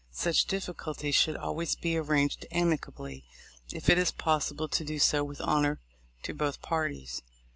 Such difficulties should always be arranged amicably, if it is possible to do so with honor to both parties.